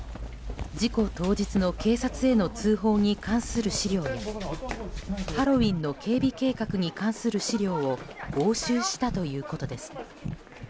事故当日の警察への通報に関する資料やハロウィーンの警備計画に関する資料を押収したということです。